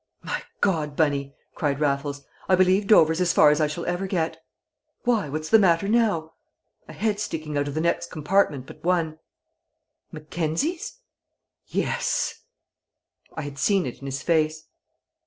"My God, Bunny!" cried Raffles. "I believe Dover's as far as I shall ever get!" "Why? What's the matter now?" "A head sticking out of the next compartment but one!" "Mackenzie's?" "Yes!" I had seen it in his face.